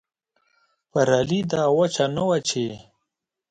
پر علي دا وچه نه وه چې